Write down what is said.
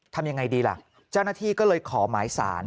ทำยังไงดีล่ะเจ้าหน้าที่ก็เลยขอหมายสาร